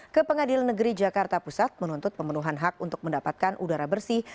ke pengadilan negeri jakarta pusat menuntut pemenuhan hak untuk mendapatkan udara bersih